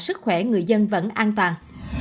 sức khỏe người dân vẫn an toàn